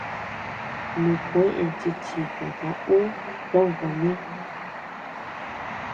Nukueʼë chi chikata ú tö kané.